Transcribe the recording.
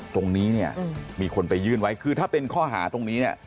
ตรงนี้เนี่ยมีคนไปยื่นไว้คือถ้าเป็นข้อหาตรงนี้เนี่ย